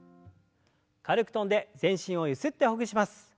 軽く跳んで全身をゆすってほぐします。